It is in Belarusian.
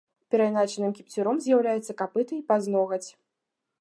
Перайначаным кіпцюром з'яўляецца капыта і пазногаць.